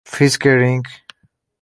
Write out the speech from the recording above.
Fisker Inc.